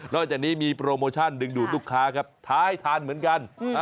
จากนี้มีโปรโมชั่นดึงดูดลูกค้าครับท้ายทานเหมือนกัน